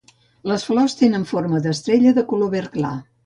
Les flors tenen forma d'estrella de color verd clar.